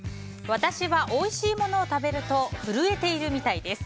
私はおいしいものを食べると震えているみたいです。